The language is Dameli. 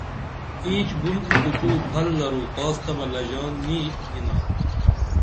اینچ بُن پُچُو پھل درو کاس تہ بہ لژان نی ییناں